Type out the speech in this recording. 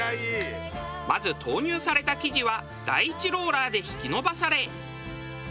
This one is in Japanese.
まず投入された生地は第１ローラーで引き伸ばされ。